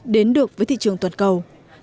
đến được với thị trường toàn cầu